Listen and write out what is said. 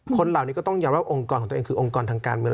คนเหล่านี้ก็ต้องยอมรับองค์กรของตัวเองคือองค์กรทางการเมือง